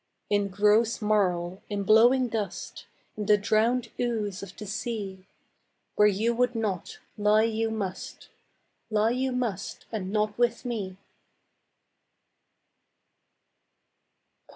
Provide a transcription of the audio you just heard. In gross marl, in blowing dust, In the drowned ooze of the sea, Where you would not, lie you must, Lie you must, and not with me.